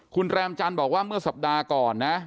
คุณแรมจันทร์บอกว่าเมื่อสัปดาห์ก่อนนะ